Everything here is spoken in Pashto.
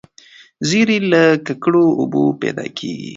زیړی له ککړو اوبو پیدا کیږي.